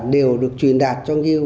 đều được truyền đạt cho ngưu